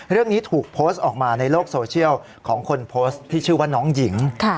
เรื่องนี้ถูกโพสต์ออกมาในโลกโซเชียลของคนโพสต์ที่ชื่อว่าน้องหญิง